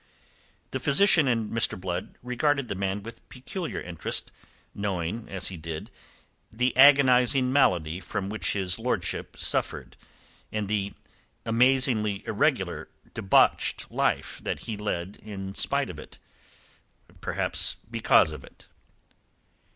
The physician in Mr. Blood regarded the man with peculiar interest knowing as he did the agonizing malady from which his lordship suffered, and the amazingly irregular, debauched life that he led in spite of it perhaps because of it.